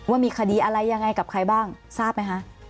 ว่ามีคดีอะไรยังไงกับใครบ้างทราบไหมคะ